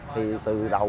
thì từ đầu